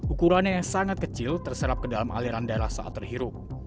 ukurannya yang sangat kecil terserap ke dalam aliran darah saat terhirup